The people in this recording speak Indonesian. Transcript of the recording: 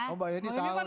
oh mbak yeni tau dong